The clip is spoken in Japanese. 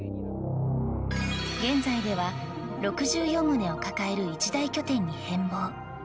現在では６４棟を抱える一大拠点に変ぼう。